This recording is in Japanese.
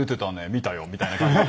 見たよ」みたいな感じで。